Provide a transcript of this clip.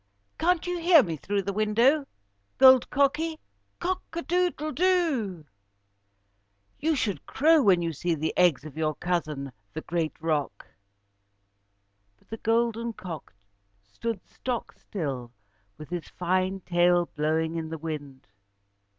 "Can't you hear me through the window, Gold Cocky? Cock a doodle do! You should crow when you see the eggs of your cousin, the great roc." But the golden cock stood stock still, with his fine tail blowing in the wind.